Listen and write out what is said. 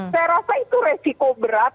saya rasa itu resiko berat